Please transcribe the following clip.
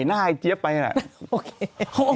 ก็ใส่หน้าไอ้เจี๊ยบไปแหละ